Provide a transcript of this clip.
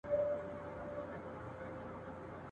له سهاره په ژړا پیل کوو ورځي !.